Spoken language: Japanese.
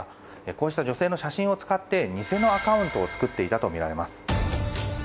こうした女性の写真を使って偽のアカウントを作っていたとみられます。